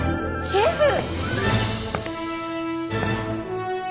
シェフ！